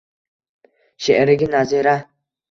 sheʼriga nazira